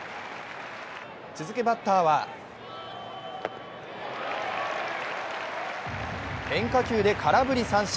続くバッターは変化球で空振り三振。